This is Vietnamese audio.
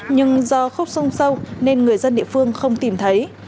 nhưng do khúc sông sâu nên người dân địa phương không tìm thấy